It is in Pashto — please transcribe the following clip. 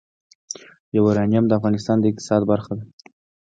یورانیم د افغانستان د اقتصاد برخه ده.